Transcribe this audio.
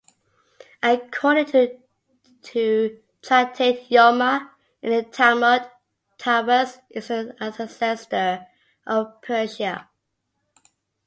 According to tractate Yoma, in the Talmud, Tiras is the ancestor of Persia.